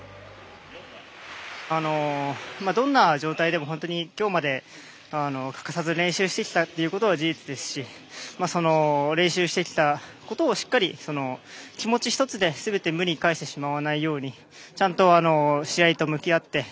どんな状態でも本当に、今日まで欠かさず練習してきたということは事実ですし練習してきたことをしっかり気持ち１つですべて無に返してしまわないようにちゃんと試合と向き合って。